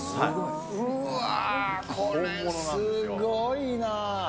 うわー、これすごいな。